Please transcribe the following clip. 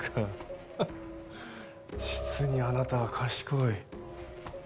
実にあなたは賢い。